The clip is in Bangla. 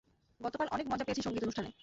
গতকাল অনেক মজা পেয়েছি সংগীত অনুষ্ঠানে।